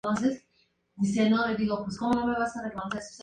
Recibía a sus amistades con una bata de la Institución.